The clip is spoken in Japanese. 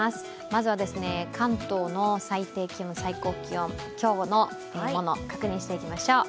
まずは関東の最低気温、最高気温、今日のもの確認していきましょう。